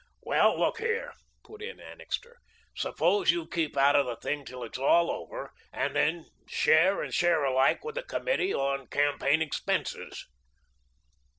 "Well, look here," put in Annixter. "Suppose you keep out of the thing till it's all over, and then share and share alike with the Committee on campaign expenses."